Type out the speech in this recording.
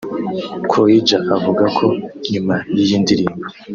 Croidja avuga ko nyuma y’iyi ndirimbo